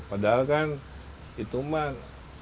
padahal kan itu mah